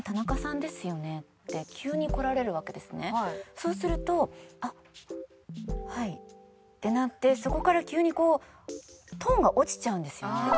油断してる時とかに。ってなってそこから急にこうトーンが落ちちゃうんですよね。